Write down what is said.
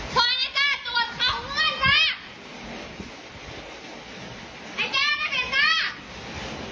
สวัสดีจ้าตรวจเข้าเมื่อนแล้ว